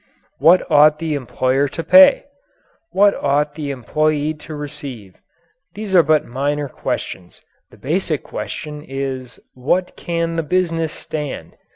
"What ought the employer to pay?" "What ought the employee to receive?" These are but minor questions. The basic question is "What can the business stand?"